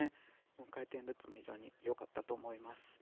４回転ルッツも非常に良かったと思います。